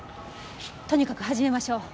とにかく始めましょう。